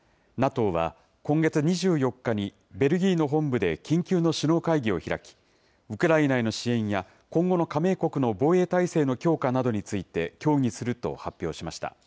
ＮＡＴＯは、今月２４日にベルギーの本部で緊急の首脳会議を開き、ウクライナへの支援や、今後の加盟国の防衛態勢の強化などについて、協議すると発表しました。